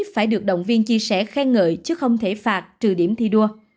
phải được động viên chia sẻ khen ngợi chứ không thể phạt trừ điểm thi đua